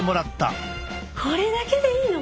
これだけでいいの？